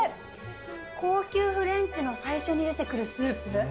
高級フレンチの最初に出てくるスープ。